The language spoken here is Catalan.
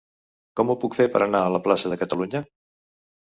Com ho puc fer per anar a la plaça de Catalunya?